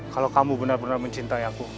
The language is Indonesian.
kalau kamu benar benar mencintai aku